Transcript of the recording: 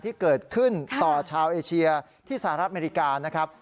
ที่เกิดขึ้นต่อชาวเอเชียที่สหรัฐอเมริกานะครับ